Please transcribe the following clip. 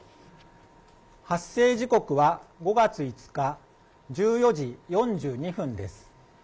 発生時刻は５月５日１４時４２分です。